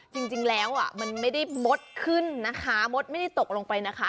จริงแล้วมันไม่ได้มดขึ้นนะคะมดไม่ได้ตกลงไปนะคะ